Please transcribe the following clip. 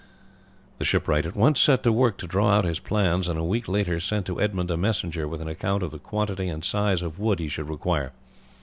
The shipwright at once set to work to draw out his plans, and a week later sent to Edmund a messenger with an account of the quantity and size of wood he should require.